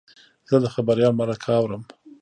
زه د خبریال مرکه اورم.